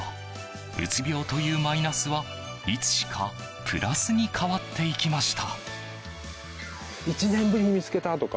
うつ病というマイナスはいつしかプラスに変わっていました。